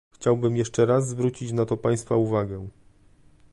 Chciałbym jeszcze raz zwrócić na to państwa uwagę